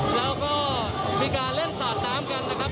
แล้วก็มีการเล่นสาดน้ำกันนะครับ